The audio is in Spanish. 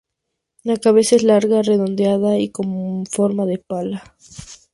La cabeza es larga, redondeada y con forma de pala.